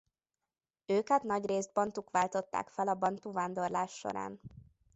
Őket nagyrészt bantuk váltották fel a bantu vándorlás során.